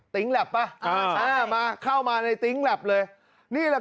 ติ๊งแหลปป่ะมาเข้ามาในติ๊งแหลปเลย